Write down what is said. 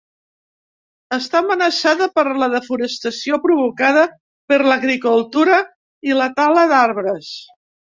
Està amenaçada per la desforestació provocada per l'agricultura i la tala d'arbres.